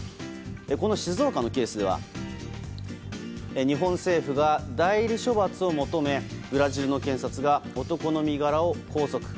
この静岡のケースでは日本政府が代理処罰を求めブラジルの検察が男の身柄を拘束。